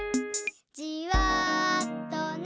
「じわとね」